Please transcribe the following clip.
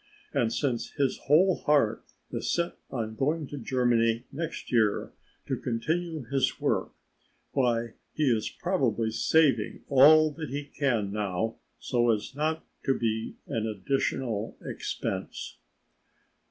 And since his whole heart is set on going to Germany next year to continue his work why he is probably saving all that he can now so as not to be an additional expense."